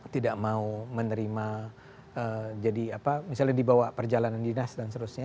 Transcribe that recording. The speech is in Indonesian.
tidak mau menerima jadi apa misalnya dibawa perjalanan dinas dan seterusnya